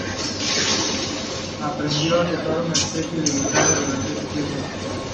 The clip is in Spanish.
Aprendió a tocar una especie de guitarra durante este tiempo.